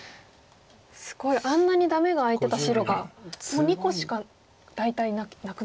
すごいあんなにダメが空いてた白がもう２個しか大体なくなりました。